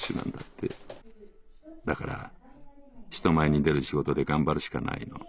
だから人前に出る仕事で頑張るしかないのぉ」。